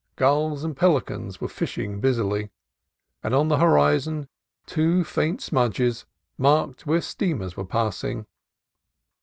Gulls and pelicans were fishing busily, and on the horizon two faint smudges marked where steamers were passing.